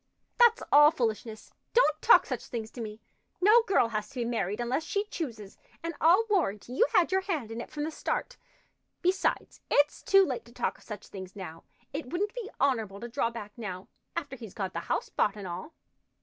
"That's all foolishness. Don't talk such things to me. No girl has to be married unless she chooses, and I'll warrant you had your hand in it from the start. Besides, it's too late to talk of such things now. It wouldn't be honorable to draw back now, after he's got the house bought and all."